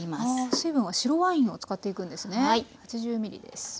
水分は白ワインを使っていくんですね。